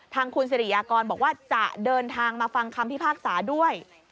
ทางคุณสิริยากรบอกว่าจะเดินทางมาฟังคำพิพากษาด้วย